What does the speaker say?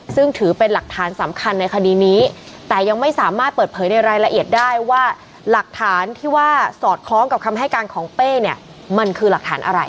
ซึ่งถือเป็นหลักฐานสำคัญในคดีนี้แต่ยังไม่สามารถเปิดเผยในรายละเอียดได้ว่าหลักฐานที่ว่าสอดคล้องกับคำให้การของเป้เนี่ยมันคือหลักฐานอะไร